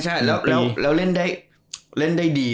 ใช่แล้วเล่นได้ดี